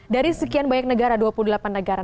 dari sekian banyak negara dua puluh delapan negara